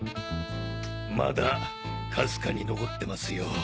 まだかすかに残ってますよ。